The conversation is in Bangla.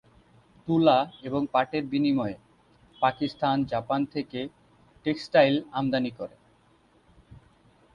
তুলা এবং পাটের বিনিময়ে, পাকিস্তান জাপান থেকে টেক্সটাইল আমদানি করে।